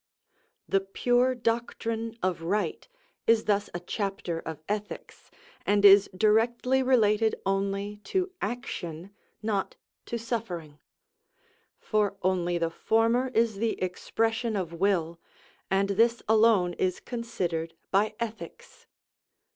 The pure doctrine of right is thus a chapter of ethics, and is directly related only to action, not to suffering; for only the former is the expression of will, and this alone is considered by ethics.